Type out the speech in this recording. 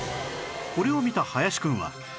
これを見た林くんは